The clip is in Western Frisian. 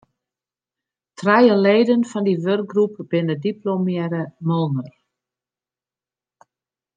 Trije leden fan dy wurkgroep binne diplomearre moolner.